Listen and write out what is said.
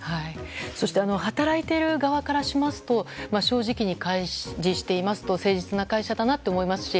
そして働いている側からしますと正直に開示していますと誠実だなと思いますし